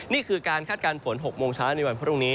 นี่คือการคาดการณ์ฝน๖โมงเช้าในวันพรุ่งนี้